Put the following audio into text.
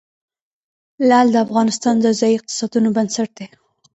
لعل د افغانستان د ځایي اقتصادونو بنسټ دی.